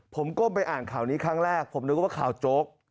ผมก้มไปอ่านข่าวนี้ครั้งแรกผมนึกว่าข่าวโจ๊ก